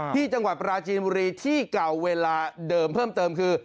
ที่จังหวัดปราจีนบุรีที่เก่าเวลาเดิมเพิ่มเติมคือ